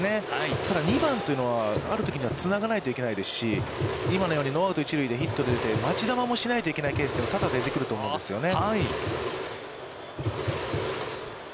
ただ、２番というのは、あるときにはつながないといけないですし、今のように、ノーアウト、一塁でヒットが出て、待ち球もしないといけないケースが多々出てくると思うんですよね。